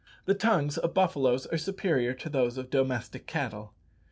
The tongues of buffaloes are superior to those of domestic cattle.